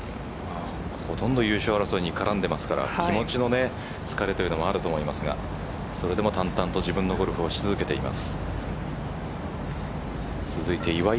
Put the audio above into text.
ほとんど優勝争いに絡んでますから、気持ちの疲れというのもあると思いますがそれでも淡々と自分のゴルフを続けています。